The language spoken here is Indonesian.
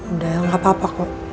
udah el gapapa kok